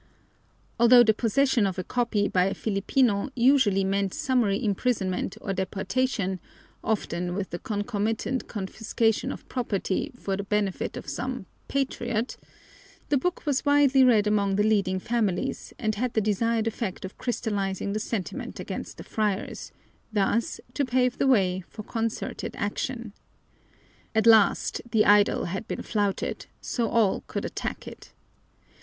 Although the possession of a copy by a Filipino usually meant summary imprisonment or deportation, often with the concomitant confiscation of property for the benefit of some "patriot," the book was widely read among the leading families and had the desired effect of crystallizing the sentiment against the friars, thus to pave the way for concerted action. At last the idol had been flouted, so all could attack it.